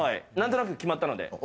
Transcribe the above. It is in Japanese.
何となく決まったので。